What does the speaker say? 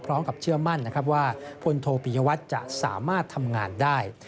พร้อมกับเชื่อมั่นว่าพลโธปียวัตจะสามารถทำงานได้